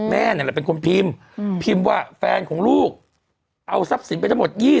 แม่นั่นแหละเป็นคนพิมพ์พิมพ์ว่าแฟนของลูกเอาทรัพย์สินไปทั้งหมด